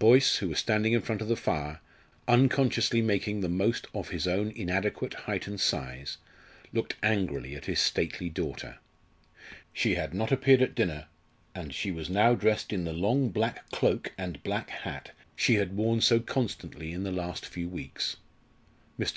Boyce, who was standing in front of the fire, unconsciously making the most of his own inadequate height and size, looked angrily at his stately daughter. She had not appeared at dinner, and she was now dressed in the long black cloak and black hat she had worn so constantly in the last few weeks. Mr.